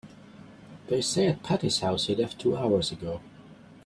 They say at Patti's house he left two hours ago.